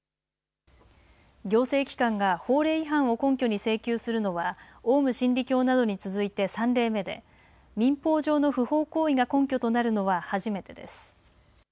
行政機関が法令違反を根拠に請求するのはオウム真理教などに続いて３例目で民法上の不法行為が根拠となるのは初めてです。